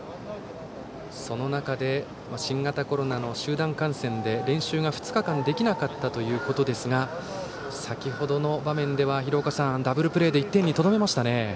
その中で新型コロナの集団感染で練習が２日間できなかったということですが先程の場面では、ダブルプレーで１点にとどめましたね。